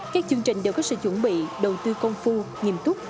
các chương trình đều có sự chuẩn bị đầu tư công phu nghiêm túc